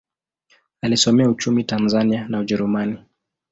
Alisomea uchumi Tanzania na Ujerumani.